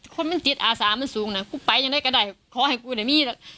คนเป็นจิตอาสามันสูงนะกูไปยังไงก็ได้ขอให้กูได้มี